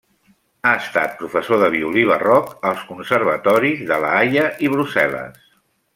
Ha estat professor de violí barroc als Conservatoris de La Haia i Brussel·les.